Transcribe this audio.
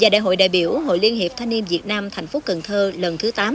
đại hội đại biểu ủy ban mặt trận tổ quốc việt nam thành phố cần thơ lần thứ tám